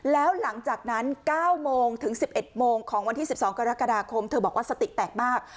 แล้วหลังจากนั้น๙โมงถึง๑๑โมงของวันที่๑๒กรกฎาคมเธอบอกว่าสติแตกมาก